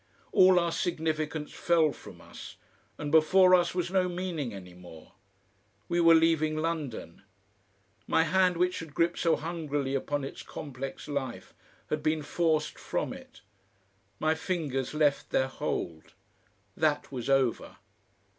All our significance fell from us and before us was no meaning any more. We were leaving London; my hand, which had gripped so hungrily upon its complex life, had been forced from it, my fingers left their hold. That was over.